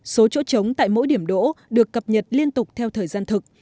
số chỗ trống tại mỗi điểm đỗ được cập nhật liên tục theo thời gian thực